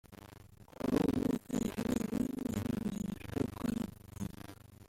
Kuba mu myaka ibiri iyi banki yaroroherejwe gukorera mu Rwanda